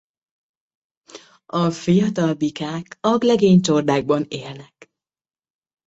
A fiatal bikák agglegény csordákban élnek.